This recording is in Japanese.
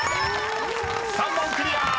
［３問クリア！